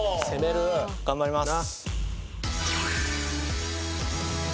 頑張ります！